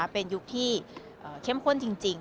เป็นยุคที่เข้มข้นจริง